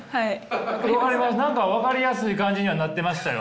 何か分かりやすい感じにはなってましたよ。